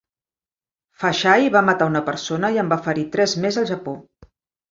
Faxai va matar una persona i en va ferir tres més al Japó.